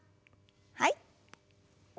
はい。